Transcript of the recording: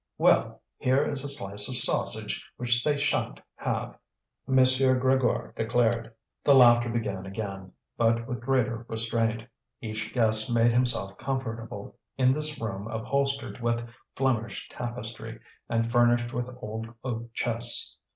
"Well, here is a slice of sausage which they shan't have," M. Grégoire declared. The laughter began again, but with greater restraint. Each guest made himself comfortable, in this room upholstered with Flemish tapestry and furnished with old oak chests.